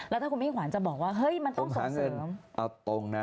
แล้วถ้าคุณมิ่งขวัญจะบอกว่าเฮ้ยมันต้องส่งเสริมเอาตรงนะ